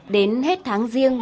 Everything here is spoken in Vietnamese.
đến hết tháng riêng